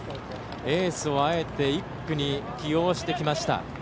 エースをあえて１区に起用してきました。